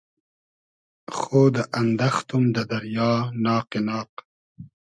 خۉدۂ اندئختوم دۂ دئریا ناقی ناق